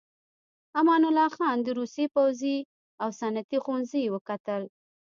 امان الله خان د روسيې پوځي او صنعتي ښوونځي وکتل.